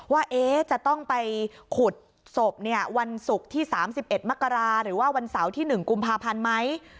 ว่าจะต้องไปขุดศพวันศุกร์ที่๓๑มกราหรือว่าวันเสาร์ที่๑กุมภาพันธ์ไหม